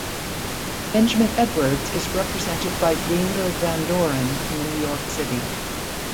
Benjamin Edwards is represented by Greenberg Van Doren in New York City.